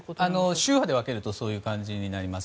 宗派で分けるとそういう感じになります。